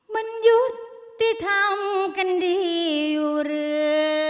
มันหยุดที่ทำกันดีหรือ